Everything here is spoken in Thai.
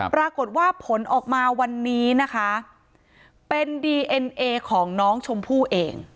ปรากฏว่าผลออกมาวันนี้นะคะเป็นดีเอ็นเอของน้องชมพู่เอง